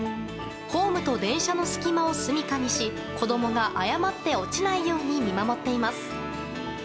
ホームと電車の隙間をすみかにし子供が誤って落ちないように見守っています。